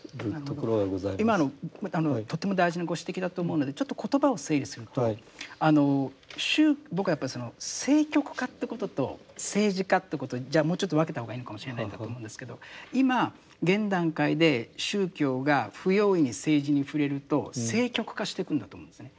今のとても大事なご指摘だと思うのでちょっと言葉を整理すると僕はやっぱりその政局化ということと政治化ということをもうちょっと分けた方がいいのかもしれないんだと思うんですけど今現段階で宗教が不用意に政治に触れると政局化してくんだと思うんですね。